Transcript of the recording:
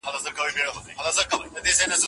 تاسو د مسایلو په اړه څه نظر لرئ؟